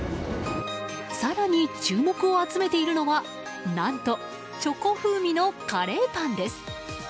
更に、注目を集めているのは何とチョコ風味のカレーパンです。